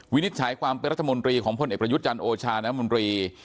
วินิจฉัยความเป็นรัฐมนตรีของพลเอกประยุทธ์จันทร์โอชาน้ำมนตรี